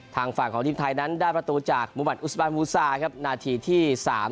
ทางฝั่งของทีมไทยนั้นได้ประตูจากมุมัติอุสบานมูซาครับนาทีที่๓